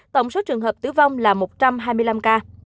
tổng số trường hợp tử vong là một trăm hai mươi năm ca